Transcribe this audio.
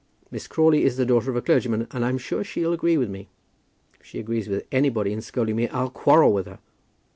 Miss Crawley is the daughter of a clergyman, and I'm sure she'll agree with me." "If she agrees with anybody in scolding me I'll quarrel with her."